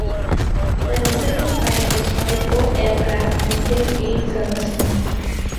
The resulting fire destroyed both aircraft and killed eight servicemen.